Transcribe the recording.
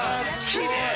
◆きれい。